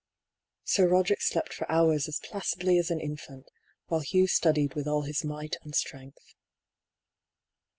Sir Roderick slept for hours as placidly as an infant, while Hugh studied with all his might and strength.